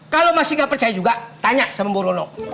kalau masih gak percaya juga tanya sama mbak ronok